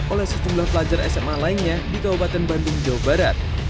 oleh sejumlah pelajar sma lainnya di kabupaten bandung jawa barat